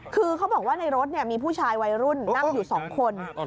คือเขาบอกว่าในรถมีผู้ชายวัยรุ่นนั่งอยู่๒คน